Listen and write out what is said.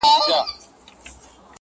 چی هر څوک به په سزا هلته رسېږي!.